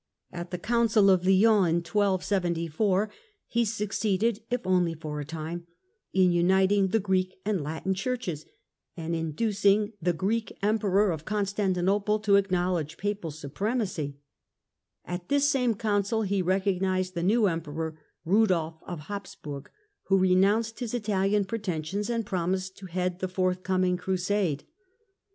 At the Council of Lyons he succeeded, if only for aConnciiof time, in uniting the Greek and Latin Churches, and in 1274 inducing the Greek Emperor of Constantinople to ac knowledge papal supremacy. At this same council he recognised the new Emperor Eudolf of Habsburg, who renounced his Italian pretensions and promised to head the forthcoming crusade.